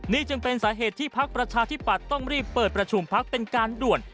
นี่จึงเป็นสาเหตุที่พักประชาธิปัตย์ต้องรีบเปิดประชุมพักเป็นการด่วน